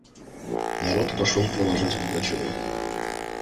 Народ пошел провожать Пугачева.